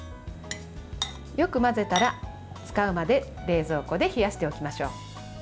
よく混ぜたら、使うまで冷蔵庫で冷やしておきましょう。